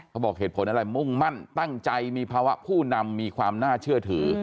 เขาบอกเหตุผลอะไรมุ่งมั่นตั้งใจมีภาวะผู้นำมีความน่าเชื่อถือ